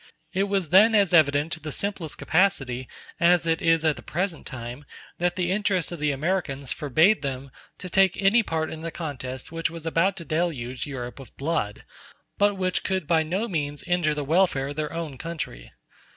It was then as evident to the simplest capacity as it is at the present time that the interest of the Americans forbade them to take any part in the contest which was about to deluge Europe with blood, but which could by no means injure the welfare of their own country.